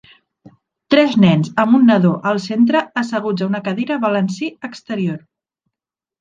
Tres nens, amb un nadó al centre, asseguts a una cadira balancí exterior.